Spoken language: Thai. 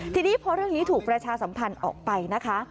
ทีนี้พอเรื่องนี้ถูกประชาสัมพันธ์ออกไปนะคะ